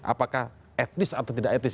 apakah etnis atau tidak etis